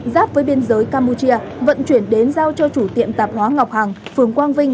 giáp với biên giới campuchia vận chuyển đến giao cho chủ tiệm tạp hóa ngọc hàng phường quang vinh